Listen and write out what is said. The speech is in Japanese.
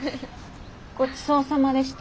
ごちそうさまでした。